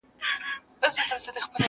شرمنده ټول وزيران او جنرالان وه!!